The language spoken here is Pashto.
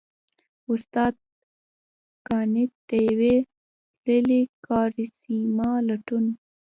استاد قانت؛ د يوې تللې کارېسما لټون!